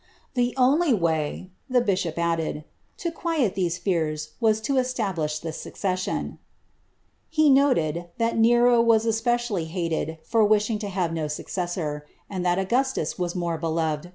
^^The only way,' the bishop added, ^to quiet these fears, was to establish the succession.' He noted, that Nero was specially hated for wishing to have no successor ; and that Augustus was more beloved for ' Hcntzner's Travels.